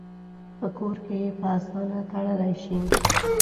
په کور کې یې په آسانه تړلی شي.